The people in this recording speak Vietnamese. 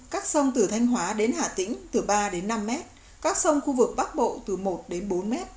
các sông từ thanh hóa đến hà tĩnh từ ba đến năm m các sông khu vực bắc bộ từ một đến bốn m